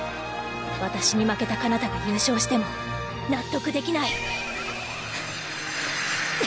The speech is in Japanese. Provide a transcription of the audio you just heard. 私に負けたかなたが優勝しても納得できない！